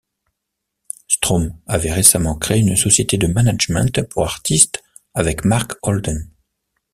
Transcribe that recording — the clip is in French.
Strom avait récemment créé une société de management pour artistes avec Mark Holden.